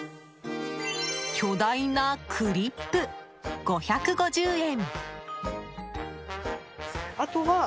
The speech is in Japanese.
巨大なクリップ、５５０円。